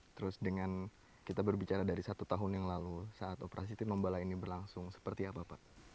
terus dengan kita berbicara dari satu tahun yang lalu saat operasi tinombala ini berlangsung seperti apa pak